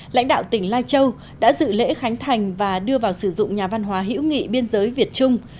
lãnh đạo tỉnh lai châu đã dự lễ khánh thành và đưa vào sử dụng nhà văn hóa hữu nghị biên giới việt trung